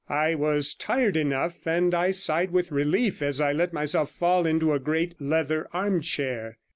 I was tired enough, and I sighed with relief as I let myself fall into a great leather armchair.